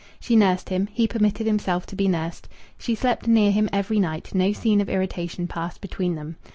She nursed him; he permitted himself to be nursed; she slept near him every night; no scene of irritation passed between them.